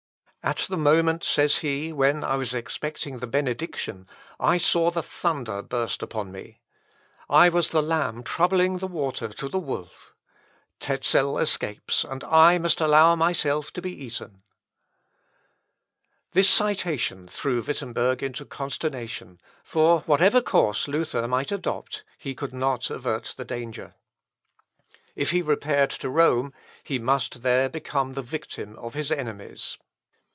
"At the moment," says he, "when I was expecting the benediction, I saw the thunder burst upon me. I was the lamb troubling the water to the wolf. Tezel escapes, and I must allow myself to be eaten." This citation threw Wittemberg into consternation; for whatever course Luther might adopt, he could not avert the danger. If he repaired to Rome he must there become the victim of his enemies.